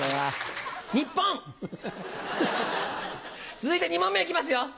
続いて２問目いきますよ！